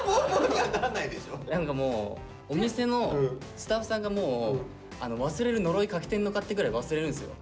何かもうお店のスタッフさんがもう忘れる呪いかけてんのかってぐらい忘れるんですよ。